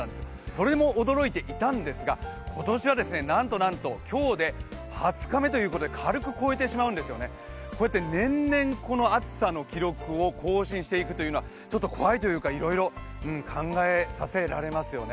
それでも驚いていたんですが今年はなんとなんと今日で２０日目ということで軽く超えてしまうんですよね、こうやって年々暑さの記録を更新していくのはちょっと怖いというか、いろいろ考えさせられますよね。